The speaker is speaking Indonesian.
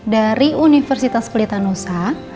dari universitas pelitanusa